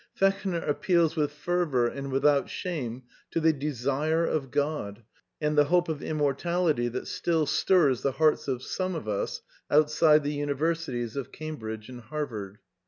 Fechner appeals with fervour and without shame to the desire of God and the hope of immortality that still stirs the hearts of some of us outside the Universities of Cam bridge and Harvard.